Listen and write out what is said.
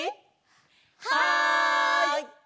はい！